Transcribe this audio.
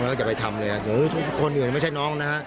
เราก็อย่าไปทำเลยนะทุกคนอื่นไม่ใช่น้องนะ